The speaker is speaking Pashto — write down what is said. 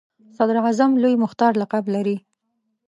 صدراعظم لوی مختار لقب لري.